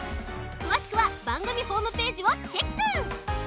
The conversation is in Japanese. くわしくはばんぐみホームページをチェック！